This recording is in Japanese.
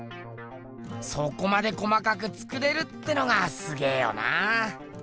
そこまで細かく作れるってのがすげぇよな。